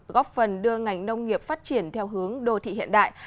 góp phần đưa ngành nông nghiệp phát triển theo hướng đô thị hiện đại